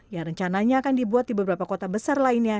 yang rencananya akan dibuat di beberapa kota besar lainnya